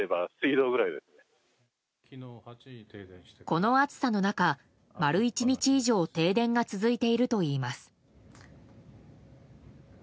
この暑さの中、丸１日以上停電が続いているといいます。